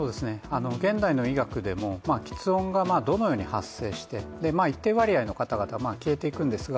現代の医学でも、きつ音がどのように発生して一定割合の方々は消えていくんですが